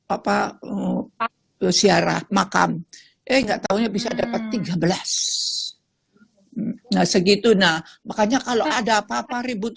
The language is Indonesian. apa ulu siarah makam eh enggak taunya bisa dapat tiga belas enggak segitu nah makanya kalau ada papa ribut